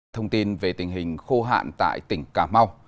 thông tin về tình hình khô hạn tại tỉnh cà mau